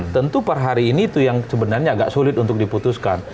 tentu per hari ini itu yang sebenarnya agak sulit untuk diputuskan